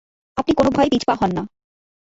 আপনি কোনো ভয়েই পিছপা হন না।